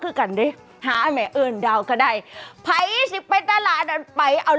คือกันด้วยหาอันใหม่เอิ่นดาวก็ได้ไปไปตลาดอันปึยเอา